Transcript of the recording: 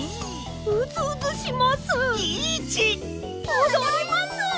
おどります！